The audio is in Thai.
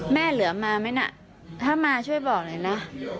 เหลือมาไหมน่ะถ้ามาช่วยบอกหน่อยนะ